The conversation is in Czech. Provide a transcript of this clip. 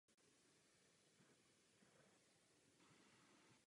Říká se, že existovala nezaručená inflace hodnocení strukturálních produktů.